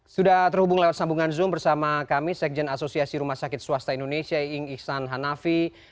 sudah terhubung lewat sambungan zoom bersama kami sekjen asosiasi rumah sakit swasta indonesia iing ihsan hanafi